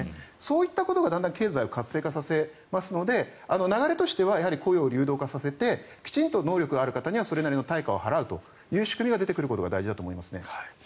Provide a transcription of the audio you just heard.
そういったことがだんだん経済を活性化させますので流れとしては雇用を流動化させてきちんと能力がある方がそれなりの対価があるということが出てくることが大事だと思いますね。